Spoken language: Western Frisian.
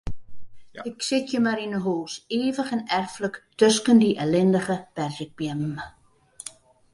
Ik sit hjir mar yn 'e hûs, ivich en erflik tusken dy ellindige perzikbeammen.